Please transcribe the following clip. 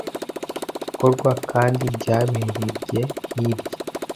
ikorwa kandi byabererye hirya